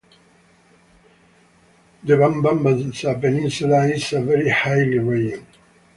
The Banbanza Peninsula is a very hilly region.